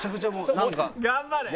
頑張れ。